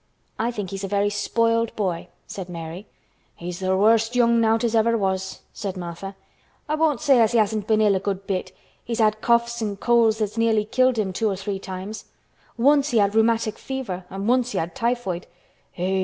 "I think he's a very spoiled boy," said Mary. "He's th' worst young nowt as ever was!" said Martha. "I won't say as he hasn't been ill a good bit. He's had coughs an' colds that's nearly killed him two or three times. Once he had rheumatic fever an' once he had typhoid.